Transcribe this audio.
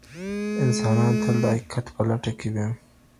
انسانان تل د حقيقت په لټه کي وي.